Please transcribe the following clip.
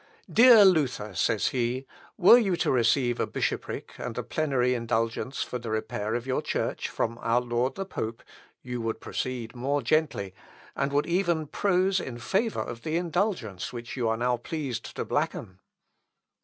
"Dear Luther!" says he, "were you to receive a bishopric and a plenary indulgence for the repair of your Church from our lord the pope, you would proceed more gently, and would even prose in favour of the indulgence which you are now pleased to blacken!"